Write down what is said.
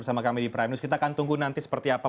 bersama kami di prime news kita akan tunggu nanti seperti apa